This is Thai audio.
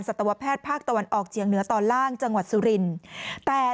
ตวแพทย์ภาคตะวันออกเฉียงเหนือตอนล่างจังหวัดสุรินทร์แต่